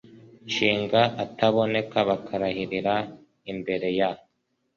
nshinga ataboneka bakarahirira imbere ya